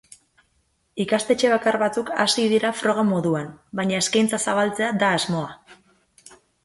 Ikastetxe bakar batzuk hasi dira froga moduan, baina eskeintza zabaltzea da asmoa.